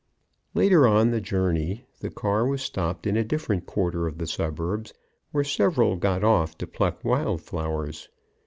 Later on the journey the car was stopped in a different quarter of the suburbs, where several got off to pluck wild flowers.